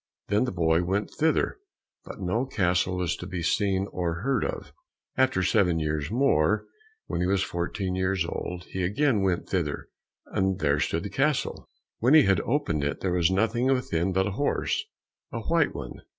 Then the boy went thither, but no castle was to be seen, or heard of. After seven years more, when he was fourteen years old, he again went thither, and there stood the castle. When he had opened it, there was nothing within but a horse, a white one.